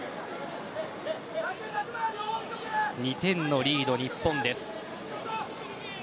２点のリード、日本です。